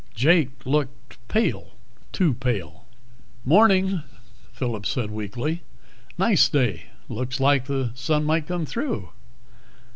Jake looked pale, too pale. "Morning," Phillip said weakly. "Nice day. Looks like the sun might come through."